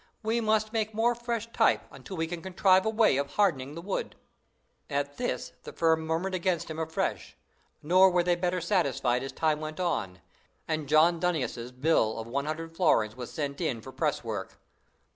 We must make more fresh type until we can contrive a way of hardening the wood." At this the firm murmured against him afresh; nor were they better satisfied as time went on, and "John Dunnius' bill of one hundred florins was sent in for press work."